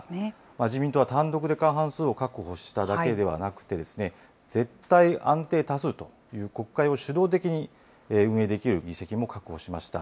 自民党は単独で過半数を確保しただけではなくてですね、絶対安定多数という国会を主導的に運営できる議席も確保しました。